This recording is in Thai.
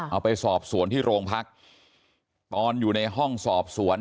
เอาไปสอบสวนที่โรงพักตอนอยู่ในห้องสอบสวน